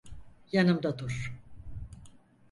Yanımda dur.